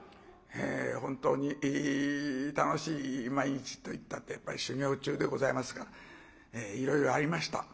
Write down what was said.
本当に楽しい毎日といったってやっぱり修業中でございますからいろいろありました。